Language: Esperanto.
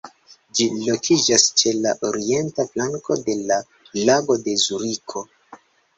Ĝi lokiĝas ĉe la orienta flanko de la "Lago de Zuriko".